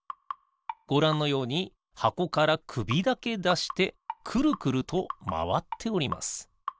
ごらんのようにはこからくびだけだしてくるくるとまわっております。